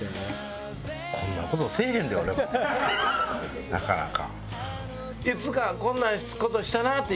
こんな事せえへんで俺もなかなか。